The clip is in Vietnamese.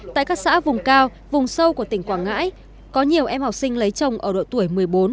tại các xã vùng cao vùng sâu của tỉnh quảng ngãi có nhiều em học sinh lấy chồng ở độ tuổi một mươi bốn